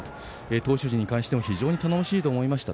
投手陣に関しても頼もしいと思いました。